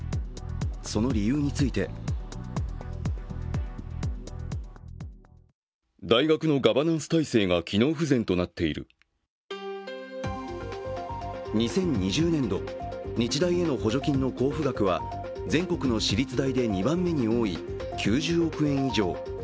その理由について２０２０年度、日大への補助金の交付額は全国の私立大で２番目に多い９０億円以上。